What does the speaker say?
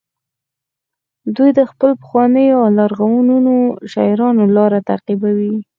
دوی د خپلو پخوانیو او لرغونو شاعرانو لاره تعقیبوي